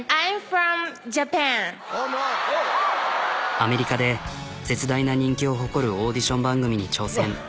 アメリカで絶大な人気を誇るオーディション番組に挑戦。